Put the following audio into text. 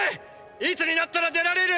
いつになったら出られる！！